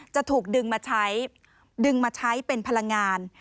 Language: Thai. จะถูกดึงมาใช้ดึงมาใช้เป็นพลังงาน